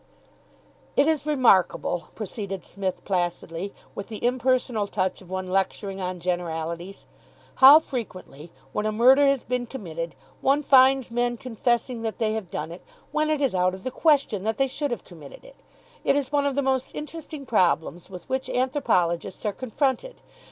"It is remarkable," proceeded Psmith placidly, with the impersonal touch of one lecturing on generalities, "how frequently, when a murder has been committed, one finds men confessing that they have done it when it is out of the question that they should have committed it. It is one of the most interesting problems with which anthropologists are confronted.